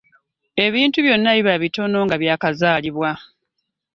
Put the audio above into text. Ebintu byonna biba bitono nga byakazalibwa .